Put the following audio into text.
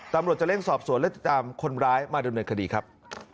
ตำรวจจะเร่งสอบสวนและติดตามคนร้ายมาดำเนินคดีครับ